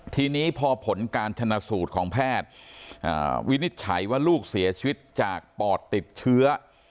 ทีนี้พอผลการชนะสูตรของแพทย์วินิจฉัยว่าลูกเสียชีวิตจากปอดติดเชื้อ